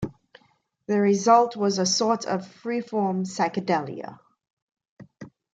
The result was a sort of freeform psychedelia.